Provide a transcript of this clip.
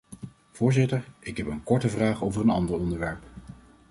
Voorzitter, ik heb een korte vraag over een ander onderwerp.